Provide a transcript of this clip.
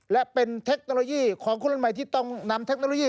และเป็นเทคโนโลยีของคนรุ่นใหม่ที่ต้องนำเทคโนโลยี